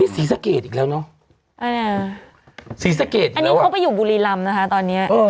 ที่ศรีสะเกดอีกแล้วเนอะอ่าศรีสะเกดอีกแล้วอันนี้เขาไปอยู่บุรีลำนะคะตอนนี้เออ